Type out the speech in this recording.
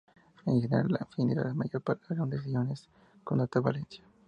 En general, la afinidad es mayor para los grandes iones con alta valencia.